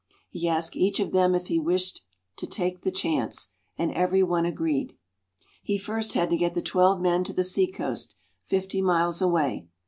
He asked each of them if he wished to take the chance, and every one agreed. He first had to get the twelve men to the sea coast fifty miles away.